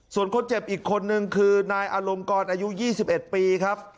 ส่วนคนเจ็บอีกคนนึงคือนายอลงกรอายุ๒๑ปีครับ